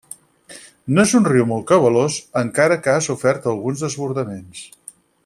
No és un riu molt cabalós, encara que ha sofert alguns desbordaments.